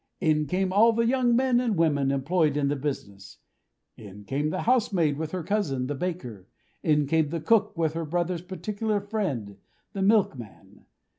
In came all the young men and women employed in the business. In came the housemaid, with her cousin, the baker. In came the cook, with her brother's particular friend, the milkman.